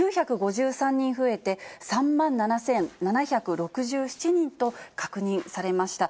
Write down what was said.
９５３人増えて、３万７７６７人と確認されました。